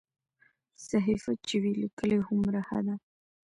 صحیفه چې وي لیکلې هومره ښه ده.